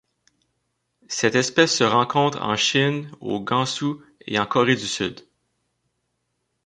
Cette espèce se rencontre en Chine au Gansu et en Corée du Sud.